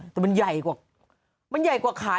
แต่มันใหญ่กว่ามันใหญ่กว่าขาย